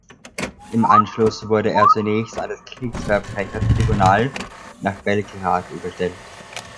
Im Anschluss wurde er zunächst an das Kriegsverbrechertribunal nach Belgrad überstellt.